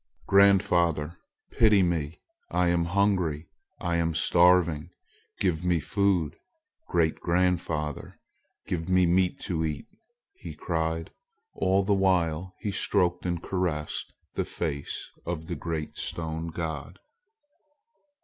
"Grandfather! pity me. I am hungry. I am starving. Give me food. Great grandfather, give me meat to eat!" he cried. All the while he stroked and caressed the face of the great stone god.